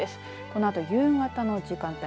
このあと夕方の時間帯